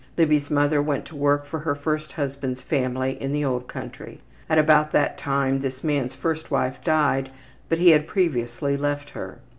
Libby's mother went to work for her first husband's family in the old country. At about that time this man's first wife died, but he had previously left her.